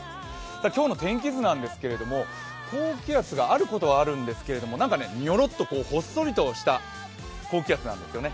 今日の天気図なんですけれども高気圧があることはあるんですがなんかにょろっとほっそりとした高気圧なんですね。